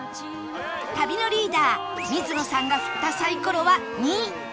旅のリーダー水野さんが振ったサイコロは「２」